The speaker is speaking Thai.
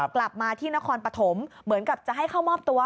กลับมาที่นครปฐมเหมือนกับจะให้เข้ามอบตัว